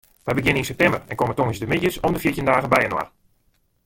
Wy begjinne yn septimber en komme tongersdeitemiddeis om de fjirtjin dagen byinoar.